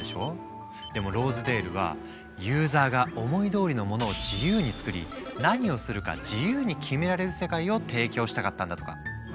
でもローズデールは「ユーザーが思いどおりのものを自由に作り何をするか自由に決められる世界」を提供したかったんだとか。